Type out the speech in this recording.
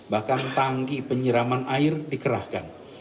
bahkan tangki penyiraman air dikerahkan